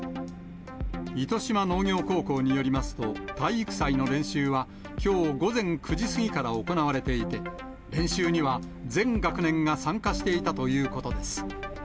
糸島農業高校によりますと、体育祭の練習はきょう午前９時過ぎから行われていて、練習には全学年が参加していたということです。